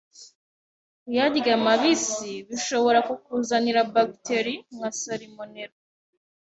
Kuyarya mabisi bishobora kukuzanira bagiteri nka salmonella